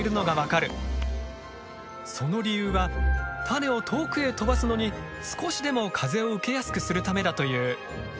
その理由は種を遠くへ飛ばすのに少しでも風を受けやすくするためだという。